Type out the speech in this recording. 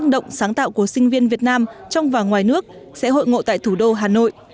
động sáng tạo của sinh viên việt nam trong và ngoài nước sẽ hội ngộ tại thủ đô hà nội